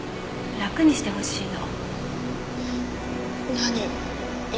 楽にしてほしいの。